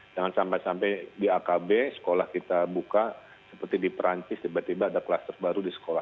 jangan sampai sampai di akb sekolah kita buka seperti di perancis tiba tiba ada kluster baru di sekolah